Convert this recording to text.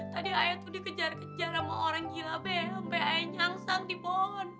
tadi saya tuh dikejar kejar sama orang gila bea sampe saya nyangsang di pohon